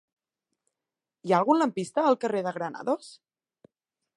Hi ha algun lampista al carrer de Granados?